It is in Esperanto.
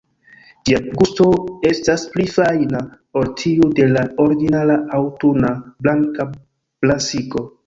Ĝia gusto estas pli fajna ol tiu de la ordinara, aŭtuna blanka brasiko.